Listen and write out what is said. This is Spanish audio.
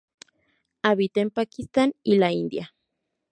Habita en Pakistán y la India.